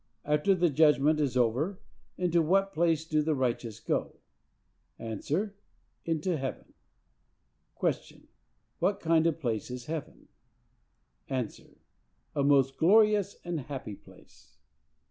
_ After the Judgment is over, into what place do the righteous go?—A. Into heaven. Q. What kind of a place is heaven?—A. A most glorious and happy place.